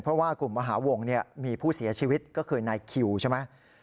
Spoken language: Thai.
เพราะว่ากลุ่มมหาวงมีผู้เสียชีวิตก็คือนายคิวใช่ไหม